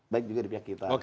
baik juga di pihak kita